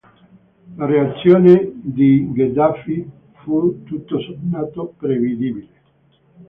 La reazione di Gheddafi fu, tutto sommato, prevedibile.